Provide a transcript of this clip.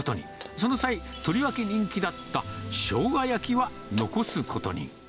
その際、とりわけ人気だったしょうが焼きは残すことに。